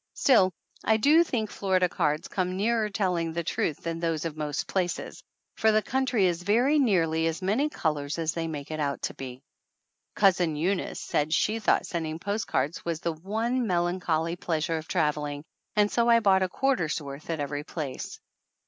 Still I do think Florida cards come nearer telling the truth than those of most places, for the country is very nearly as many colors as they make it out to be. Cousin Eunice said she thought sending post cards was the one melancholy pleasure of trav eling, and so I bought a quarter's worth at every place.